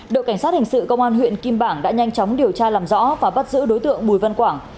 đội cảnh sát hình sự công an huyện kim bảng đã nhanh chóng điều tra làm rõ và bắt giữ đối tượng bùi văn quảng